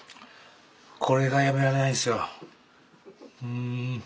これがやめられないんですよ。